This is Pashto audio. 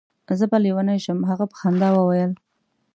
زه به لېونی شم. هغه په خندا وویل.